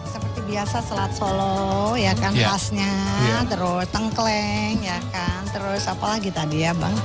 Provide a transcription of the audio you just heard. seperti biasa selat solo ya kan khasnya terus tengkleng ya kan terus apalagi tadi ya bang